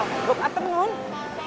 bapak aku nunggu